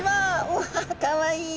うわかわいい。